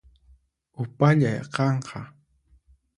Upallay qanqa